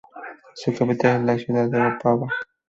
Su capital es la ciudad de Opava.